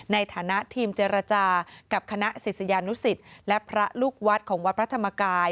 ในฐานะทีมเจรจากับคณะศิษยานุสิตและพระลูกวัดของวัดพระธรรมกาย